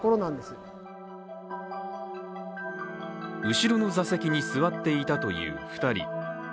後ろの座席に座っていたという２人。